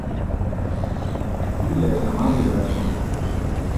Ille es amabile verso me.